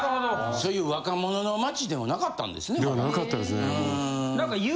そういう若者の街でもなかったんですねまだ。